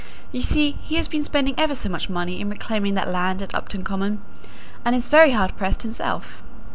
You see he has been spending ever so much money in reclaiming that land at Upton Common, and is very hard pressed himself.